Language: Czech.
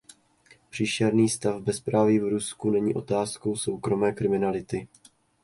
Příšerný stav bezpráví v Rusku není otázkou soukromé kriminality.